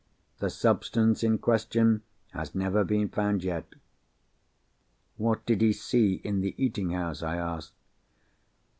The substance in question has never been found yet." "What did he see in the eating house?" I asked.